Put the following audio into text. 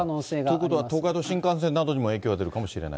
ということは東海道新幹線などにも影響が出るかもしれない。